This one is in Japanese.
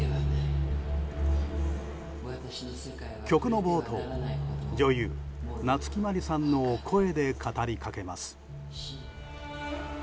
曲の冒頭女優・夏木マリさんの声で語り掛けます。